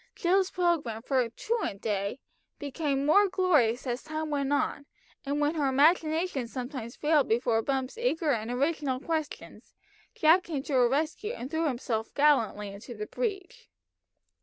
Jill's programme for "truant day" grew more glorious as time went on, and when her imagination sometimes failed before Bumps' eager and original questions, Jack came to her rescue and threw himself gallantly into the breach.